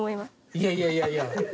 いやいやいやいや。